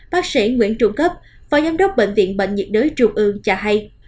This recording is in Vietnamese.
bác sĩ nguyễn trung cấp phó giám đốc bệnh viện bệnh nhiệt đới trung ương cho hay